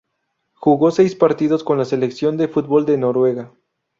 Jugó seis partidos con la selección de fútbol de Noruega.